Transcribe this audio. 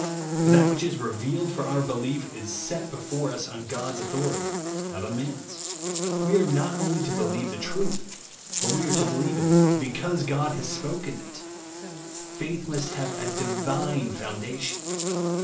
For that which is revealed 80 THK WORD OF THE for our belief is set before us on God's authority, not on man's. We are not only to believe the truth, but we are to believe it because God has spoken it. Faith must have a divine foundation.